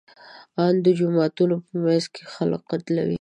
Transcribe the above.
ان د جوماتونو په منځ کې خلک قتلوي.